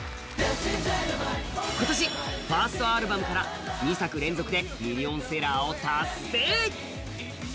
今年、ファーストアルバムから２曲連続でミリオンセラー達成。